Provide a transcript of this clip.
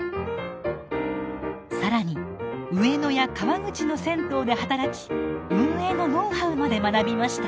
更に上野や川口の銭湯で働き運営のノウハウまで学びました。